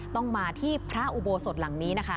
ต้องมาที่พระอุโบสถหลังนี้นะคะ